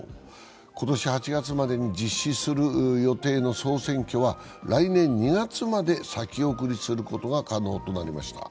今年８月までに実施する予定の総選挙は来年２月まで先送りすることが可能となりました。